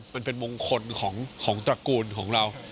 มันเป็นมงคลของตระกูลของเรา